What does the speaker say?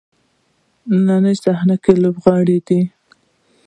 نننۍ صحنه کې لوبغاړی دی.